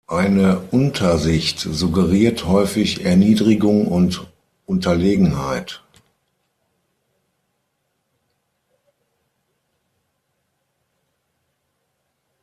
Eine Untersicht suggeriert häufig „Erniedrigung und Unterlegenheit“.